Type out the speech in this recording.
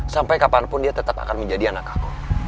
sampai kapanpun dia tetap akan menjadi anak aku